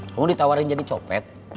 kamu ditawarin jadi copet